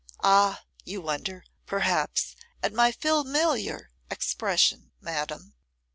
Ah! you wonder, perhaps, at my familiar expression, madam.